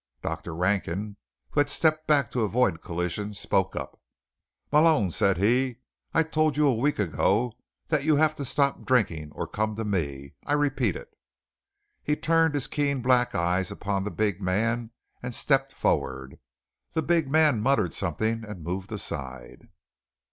Dr. Rankin, who had stepped back to avoid collision, spoke up: "Malone," said he, "I told you a week ago that you have to stop drinking or come to me. I repeat it." He turned his keen black eyes upon the big man, and stepped forward. The big man muttered something and moved aside.